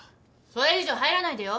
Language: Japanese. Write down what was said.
それ以上入らないでよ！